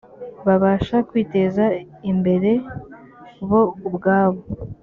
babasha kwiteza imbere bo ubwabo